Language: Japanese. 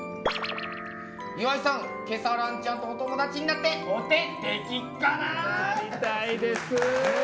岩井さん、ケサランちゃんとお友達になってお手、できっかな？